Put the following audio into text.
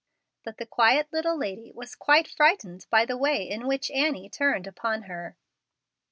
But the quiet little lady was quite frightened by the way in which Annie turned upon her.